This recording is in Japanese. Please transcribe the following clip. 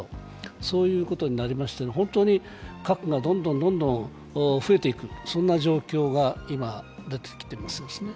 そういうことになりまして、核がどんどんどんどん増えていく、そんな状況が今、出てきていますね